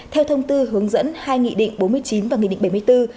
theo thông tư hướng dẫn hai nghị định bốn mươi chín và nghị định bảy mươi bốn